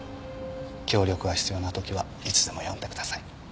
協力が必要な時はいつでも呼んでください。